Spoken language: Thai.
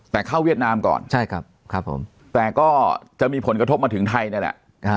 แต่เข้าเวียดนามก่อนใช่ครับผมแต่ก็จะมีผลกระทบมาถึงไทยนี่แหละ